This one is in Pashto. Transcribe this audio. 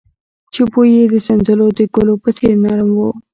چې بوى يې د سنځلو د ګلو په څېر نرم و.